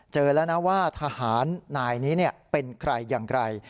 เจอแล้วนะว่าทหารนายนี้เป็นใครอย่างไร